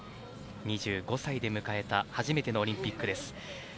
２５歳で迎えた初めてのオリンピックです。